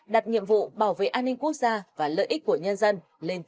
đặt nhiệm vụ bảo vệ an ninh quốc gia và lợi ích của nhân dân lên trên hết trước hết